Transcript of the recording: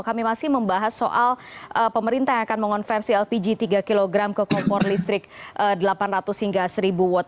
kami masih membahas soal pemerintah yang akan mengonversi lpg tiga kg ke kompor listrik delapan ratus hingga seribu watt